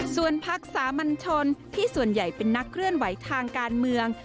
ส่วนพักสามัญชนที่ส่วนใหญ่เป็นนักเคลื่อนไหวทางการเมือง